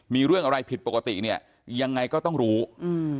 มีเรื่องอะไรผิดปกติเนี้ยยังไงก็ต้องรู้อืม